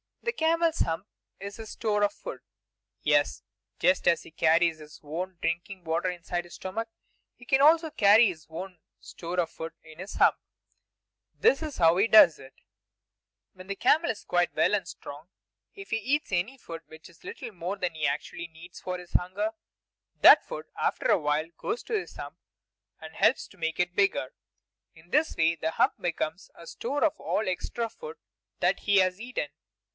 The camel's hump is his store of food! Yes, just as he carries his own drinking water inside his stomach, so he also carries his own store of food in his hump. This is how he does it: When the camel is quite well and strong, if he eats any food which is a little more than he actually needs for his hunger, that food after a while goes to his hump and helps to make it bigger. In this way the hump becomes a store of all the extra food that he has eaten.